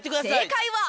正解は。